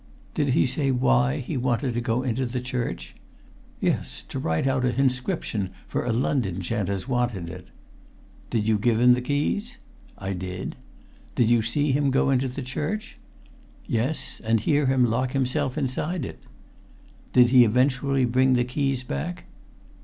"Did he say why he wanted to go into the church?" "Yes, to write out a hinscription for a London gent as wanted it." "Did you give him the keys?" "I did." "Did you see him go into the church?" "Yes, and hear him lock himself inside it." "Did he eventually bring the keys back?"